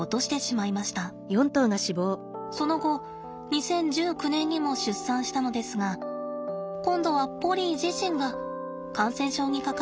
その後２０１９年にも出産したのですが今度はポリー自身が感染症にかかってしまいました。